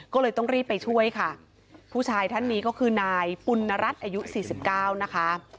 ก็เลยต้องรีบไปช่วยค่ะผู้ชายท่านนี้ก็คือนายปุณรัฐอายุสี่สิบเก้านะคะ